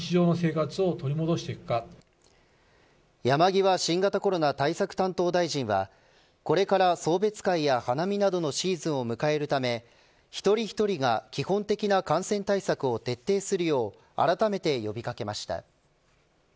山際新型コロナ対策担当大臣はこれから送別会や花見などのシーズンを迎えるため一人一人が基本的な感染対策を徹底するようあらためて呼び掛けました。